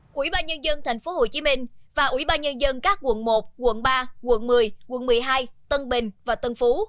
quỹ ba nhân dân tp hcm và ủy ban nhân dân các quận một quận ba quận một mươi quận một mươi hai tân bình và tân phú